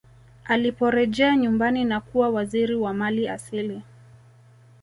aliporejea nyumbani na kuwa waziri wa mali asili